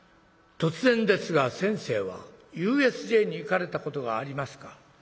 突然ですが先生はＵＳＪに行かれたことがありますか？